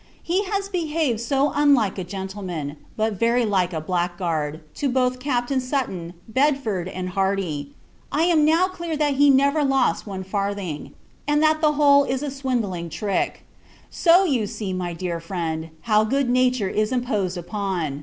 He has behaved so unlike a gentleman, but very like a blackguard, to both Captain Sutton, Bedford, and Hardy, I am now clear that he never lost one farthing, and that the whole is a swindling trick. So, you see, my dear friend, how good nature is imposed upon.